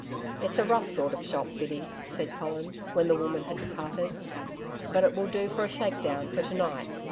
'It's a rough sort of shop, Biddy,' said Colin, when the woman had departed. 'But it will do for a shake down for to night.